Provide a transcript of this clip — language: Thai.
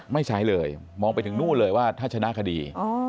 ไม่ใช้เลยมองไปถึงนู่นเลยว่าถ้าชนะคดี